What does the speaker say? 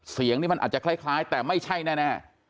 เสียงนี่มันอาจจะคล้ายแต่ไม่ใช่แน่